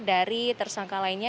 dari tersangka lainnya